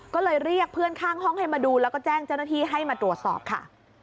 ก็เลยเรียกเพื่อนข้างห้องให้มาดูแล้วก็แจ้งเจ้าหน้าที่ให้มาตรวจสอบค่ะ